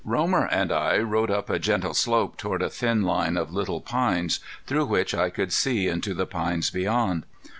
Romer and I rode up a gentle slope toward a thin line of little pines, through which I could see into the pines beyond.